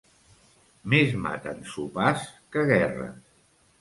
Més maten sopars que guerres.